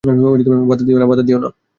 বাঁধা দিও না।